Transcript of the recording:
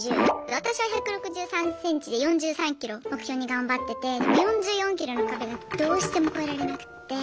私は１６３ｃｍで４３ｋｇ目標に頑張っててでも４４ｋｇの壁がどうしても越えられなくって。